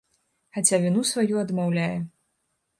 Хаця віну сваю адмаўляе.